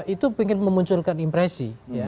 itu ingin memunculkan impresi